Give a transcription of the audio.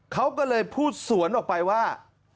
เขาก็เลยพูดสวนออกไปว่า